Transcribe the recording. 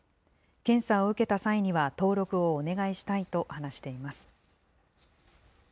検査を受けた際には、登録をお願いしたいと話しています。